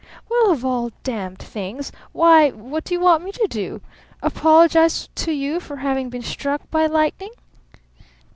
Well, of all damned things! Why what do you want me to do? Apologize to you for having been struck by lightning?"